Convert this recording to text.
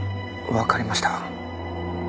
わかりました。